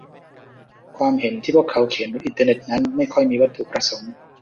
ความเห็นที่พวกเขาเขียนบนอินเทอร์เน็ตนั้นไม่ค่อยมีวัตถุประสงค์